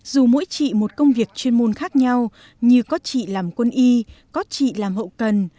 dù mỗi chị một công việc chuyên môn khác nhau như có chị làm quân y có chị làm hậu cần